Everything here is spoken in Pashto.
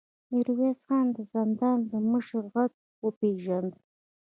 ميرويس خان د زندان د مشر غږ وپېژاند.